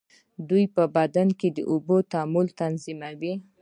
دوی په بدن کې د اوبو تعادل تنظیموي.